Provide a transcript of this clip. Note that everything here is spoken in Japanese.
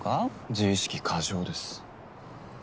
自意識過剰です。